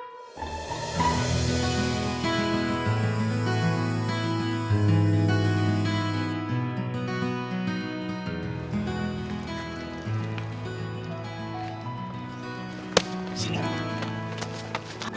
tentang agama kita kan